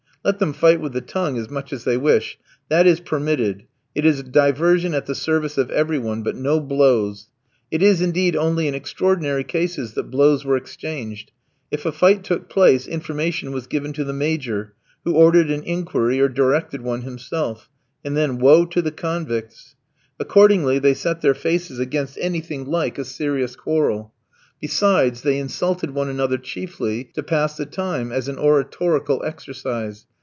Let them fight with the tongue as much as they wish. That is permitted. It is a diversion at the service of every one; but no blows. It is, indeed, only in extraordinary cases that blows were exchanged. If a fight took place, information was given to the Major, who ordered an inquiry or directed one himself; and then woe to the convicts. Accordingly they set their faces against anything like a serious quarrel; besides, they insulted one another chiefly to pass the time, as an oratorical exercise.